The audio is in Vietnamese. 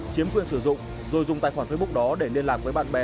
chiếm quyền sử dụng rồi dùng tài khoản facebook đó để liên lạc với bạn bè